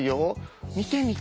見てみて。